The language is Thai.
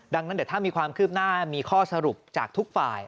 ดังนั้นเดี๋ยวถ้ามีความคืบหน้ามีข้อสรุปจากทุกฝ่าย